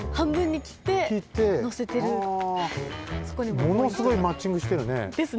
ものすごいマッチングしてるね。ですね。